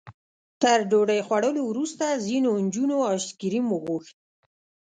تر ډوډۍ خوړلو وروسته ځینو نجونو ایس کریم وغوښت.